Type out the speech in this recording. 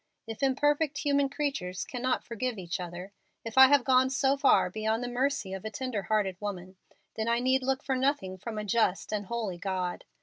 If imperfect human creatures cannot forgive each other if I have gone so far beyond the mercy of a tender hearted woman then I need look for nothing from a just and holy God.